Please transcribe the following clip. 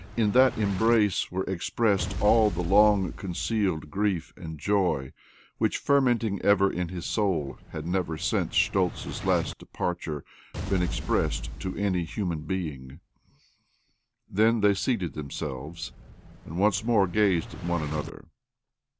In tha embrace were expressed all the long con cealed grief and joy which, fermenting eve in his soul, had never, since Schtoltz's las zgo OBLOMOV 291 departure, been expressed ta any human being. Then they seated themselves, and once mt)re gazed at one another.